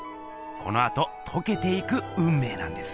このあととけていくうんめいなんです。